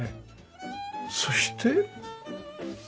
そして。